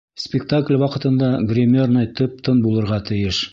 Спектакль ваҡытында гримерная тып-тын булырға тейеш!